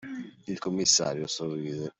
Il commissario sorrise.